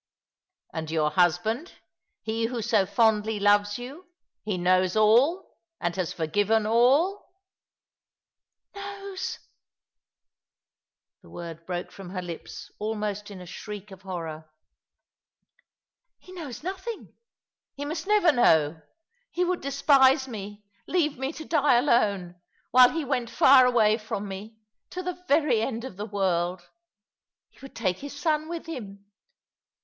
"And your husband — he who so fondly loves you — he knows ail, and has forgiven all ?" ''Knows!" The word broke from her lips almost in a shriek of horror. " He knows nothing — he must never know. He would despise me, leave me to die alone, while he went far away from me, to the very end of the world. Ho would take his son with him.